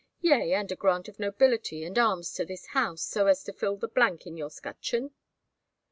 —Yea, and a grant of nobility and arms to this house, so as to fill the blank in your scutcheon?"